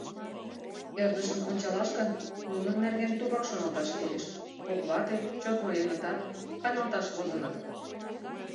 Ӧрдыжын ончалаш гын, нунын нерген тугат шоналташ лиеш: кок вате, чот ноенытат, каналташ возыныт.